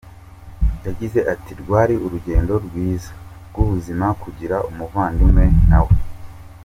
Yagize ati “Rwari urugendo rwiza rw’ubuzima kugira umuvandimwe nkawe.